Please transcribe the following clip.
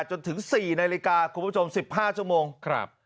จนถึง๔นาฬิกาคุณผู้ชม๑๕ชั่วโมงครับ